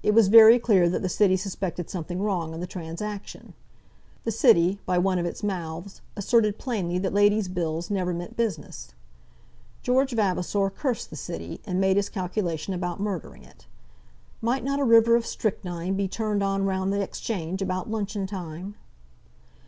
It was very clear that the City suspected something wrong in the transaction. The City, by one of its mouths, asserted plainly that ladies' bills never meant business. George Vavasor cursed the City, and made his calculation about murdering it. Might not a river of strychnine be turned on round the Exchange about luncheon time?